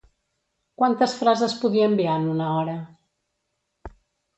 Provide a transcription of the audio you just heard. Quantes frases podia enviar en una hora?